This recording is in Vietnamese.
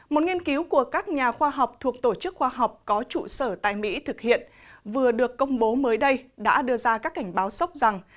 một nghiên cứu của các nhà khoa học thuộc tổ chức khoa học có trụ sở tại mỹ thực hiện vừa được công bố mới đây đã đưa ra các cảnh báo sốc rằng